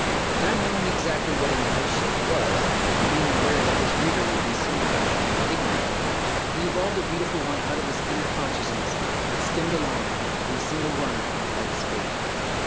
Not knowing exactly what an ice ship was, and being aware that his readers would be simi larly ignorant, he evolved a beautiful one out of his inner consciousness that "skimmed along " on a single runner like a skate.